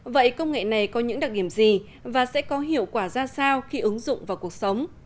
vậy công nghệ này có những đặc điểm gì và sẽ có hiệu quả ra sao khi ứng dụng vào cuộc sống